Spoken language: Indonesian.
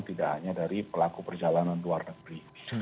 tidak hanya dari pelaku perjalanan luar negeri